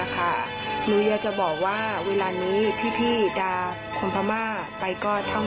ยังมีผู้หญิงซึ่งเป็นแรงงานเมียนมากอีกหลายคน